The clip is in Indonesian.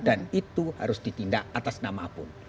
dan itu harus ditindak atas nama pun